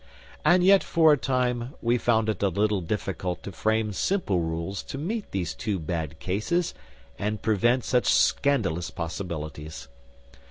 And yet for a time we found it a little difficult to frame simple rules to meet these two bad cases and prevent such scandalous possibilities.